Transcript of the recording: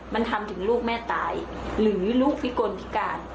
มันทำถึงลูกแม่ตายหรือลูกพิกลพิการ